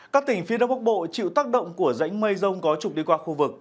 các tỉnh phía đông bắc bộ chịu tác động của rãnh mây rông có trục đi qua khu vực